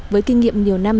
với kinh nghiệm nhiều năm